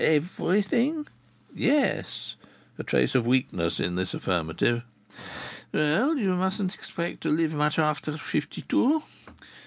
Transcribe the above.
"Everything?" "Yes." A trace of weakness in this affirmative. "Well, you mustn't expect to live much after fifty two.